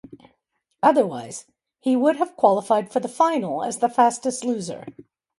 Otherwise, he would have qualified for the final as a fastest loser.